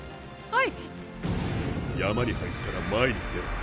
はい。